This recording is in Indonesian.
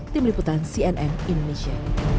tim liputan cnn indonesia